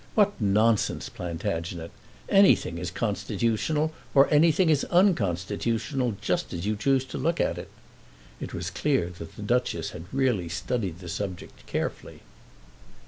What nonsense, Plantagenet! Anything is constitutional, or anything is unconstitutional, just as you choose to look at it." It was clear that the Duchess had really studied the subject carefully.